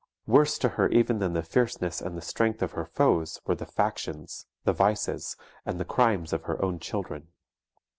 Worse to her even than the fierceness and the strength of her foes were the factions, the vices, and the crimes of her own children.